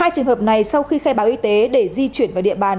hai trường hợp này sau khi khai báo y tế để di chuyển vào địa bàn